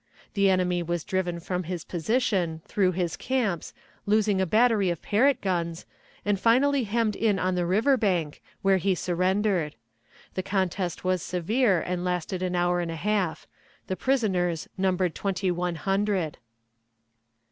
The enemy was driven from his position, through his camps, losing a battery of Parrott guns, and finally hemmed in on the river bank, where he surrendered. The contest was severe, and lasted an hour and a half. The prisoners numbered twenty one hundred.